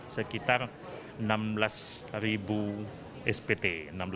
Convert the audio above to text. sekitar enam belas persen